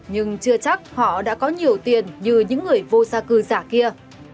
nhưng chưa chắc họ đã có nhiều tiền như những người vô gia cư giả kia